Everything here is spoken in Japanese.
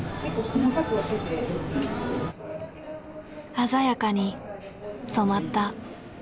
鮮やかに染まった。